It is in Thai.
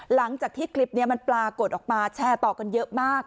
หลังจากที่คลิปนี้มันปรากฏออกมาแชร์ต่อกันเยอะมาก